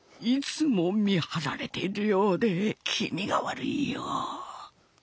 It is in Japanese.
いつも見張られているようで気味が悪いよ。